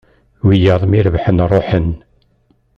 Wiyaḍ mi rebḥen ruḥen